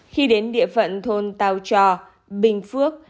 khi đến địa phận thôn tàu cho bình phước